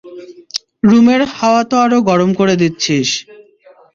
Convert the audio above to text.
রুমের হাওয়া তো আরো গরম করে দিচ্ছিস।